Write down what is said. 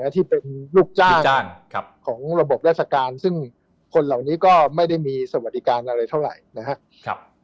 ที่เป็นลูกจ้างของระบบราชการซึ่งคนเหล่านี้ก็ไม่ได้มีสวัสดิการอะไรเท่าไหร่นะครับ